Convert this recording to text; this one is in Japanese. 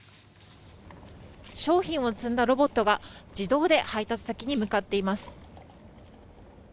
商品を積んだロボットが自動で配達先に向かっています。